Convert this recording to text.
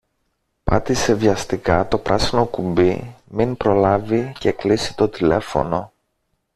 Πάτησε βιαστικά το πράσινο κουμπί μην προλάβει και κλείσει το τηλέφωνο